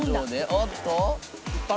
おっと？